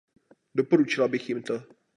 Doporučila bych jim to.